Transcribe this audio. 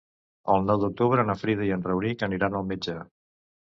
El nou d'octubre na Frida i en Rauric aniran al metge.